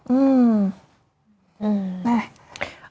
อืม